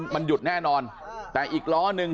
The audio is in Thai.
มันหยุดแน่นอนแต่อีกล้อนึง